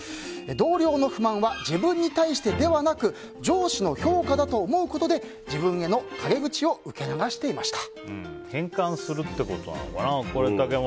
同僚の不満は自分に対してではなく上司の評価だと思うことで自分への陰口を変換するということなのかな。